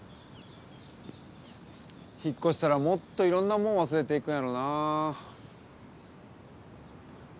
引っこしたらもっといろんなもんわすれていくんやろなあ。